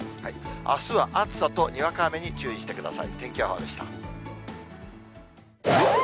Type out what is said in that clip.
あすは暑さとにわか雨に注意してください。